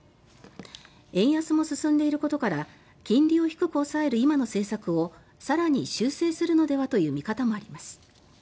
円安も進んでいることから金利を低く抑える今の政策を更に修正するのではという見方もあります。